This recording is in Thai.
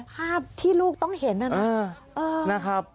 ภาพที่ลูกต้องเห็นนั่นนะนะครับ